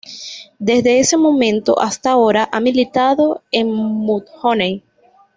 Desde ese momento hasta ahora ha militado en Mudhoney.